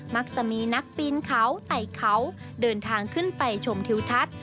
มักจะมีนักปีนเขาไต่เขาเดินทางขึ้นไปชมทิวทัศน์